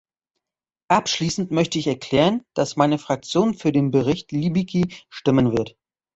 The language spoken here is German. Abschließend möchte ich erklären, dass meine Fraktion für den Bericht Libicki stimmen wird.